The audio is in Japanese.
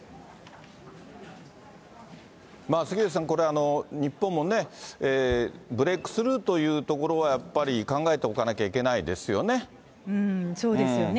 杉上さん、日本もね、ブレイクスルーというところはやっぱり考えておかなきゃいけないそうですよね。